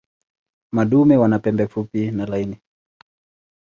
Madume wana pembe fupi na laini.